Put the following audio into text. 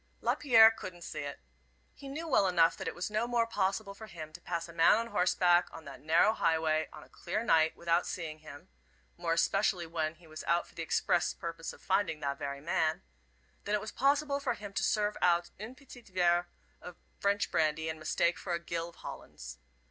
Lapierre couldn't see it. He knew well enough that it was no more possible for him to pass a man on horseback on that narrow highway, on a clear night, without seeing him more especially when he was out for the express purpose of finding that very man than it was possible for him to serve out un petit verre of French brandy in mistake for a gill of Hollands.